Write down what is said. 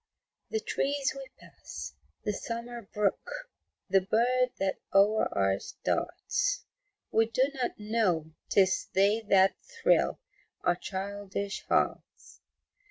The trees we pass, the summer brook, The bird that o'er us darts We do not know 'tis they that thrill Our childish hearts.